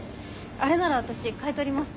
あれなら私買い取ります。